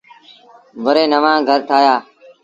وري نوآن گھر ٺآهيآ۔